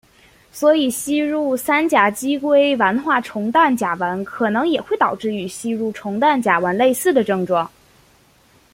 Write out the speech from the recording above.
所以吸入三甲基硅烷化重氮甲烷可能也会导致与吸入重氮甲烷类似的症状。